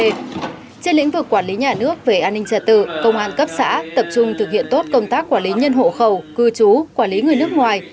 nhiệm vụ quản lý nhà nước về an ninh trật tự công an cấp xã tập trung thực hiện tốt công tác quản lý nhân hộ khẩu cư trú quản lý người nước ngoài